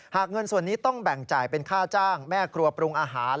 เงินส่วนนี้ต้องแบ่งจ่ายเป็นค่าจ้างแม่ครัวปรุงอาหาร